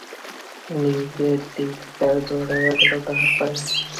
লেজের দিকটা জড়াইয়া গেল তাহার পায়ে।